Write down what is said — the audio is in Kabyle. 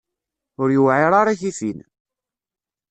Ur yewɛiṛ ara i tifin.